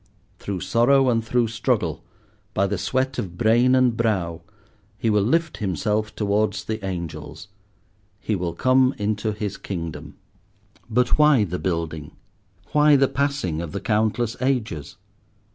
Through sorrow and through struggle, by the sweat of brain and brow, he will lift himself towards the angels. He will come into his kingdom. But why the building? Why the passing of the countless ages?